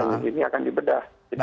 yang terakhir pak sandi dari saya